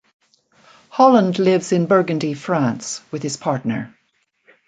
Holland lives in Burgundy, France with his partner.